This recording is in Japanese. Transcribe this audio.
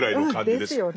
ですよね。